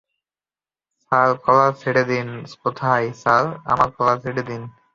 Sir, collar ছেড়ে দেন-- - কোথায়-- স্যার, আমার কলার ছেড়ে দেন!